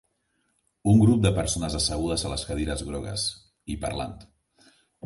Un grup de persones assegudes a les cadires grogues i parlant.